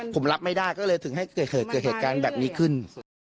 ผมรับไม่ได้ก็เลยถึงให้เกิดเหตุการณ์แบบนี้ขึ้น